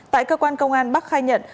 tại cơ quan công an bắc khai nhận